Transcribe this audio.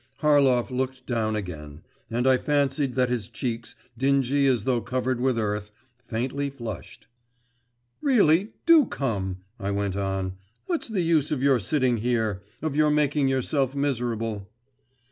Harlov looked down again, and I fancied that his cheeks, dingy as though covered with earth, faintly flushed. 'Really, do come,' I went on. 'What's the use of your sitting here? of your making yourself miserable?